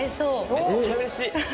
めっちゃ嬉しい。